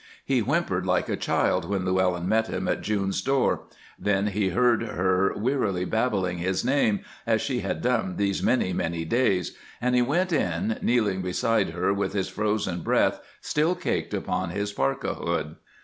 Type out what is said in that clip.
He whimpered like a child when Llewellyn met him at June's door; then he heard her wearily babbling his name, as she had done these many, many days, and he went in, kneeling beside her with his frozen breath still caked upon his parka hood.